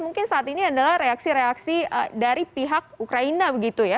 mungkin saat ini adalah reaksi reaksi dari pihak ukraina begitu ya